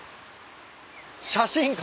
写真館？